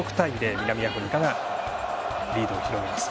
南アフリカがリードを広げます。